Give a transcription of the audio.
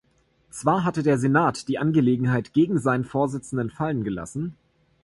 Zwar hatte der Senat die Angelegenheit gegen seinen Vorsitzenden fallen gelassen.